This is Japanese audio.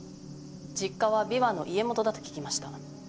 実家は琵琶の家元だと聞きました。